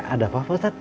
ada apa pak ustaz